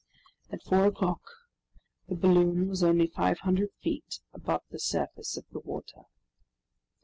At four o'clock the balloon was only 500 feet above the surface of the water.